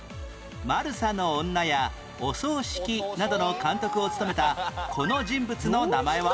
『マルサの女』や『お葬式』などの監督を務めたこの人物の名前は？